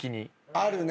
あるね。